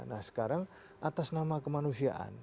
nah sekarang atas nama kemanusiaan